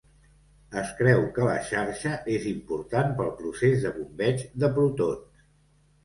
Es creu que la xarxa és important pel procés de bombeig de protons.